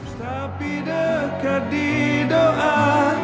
saya sudah zawhai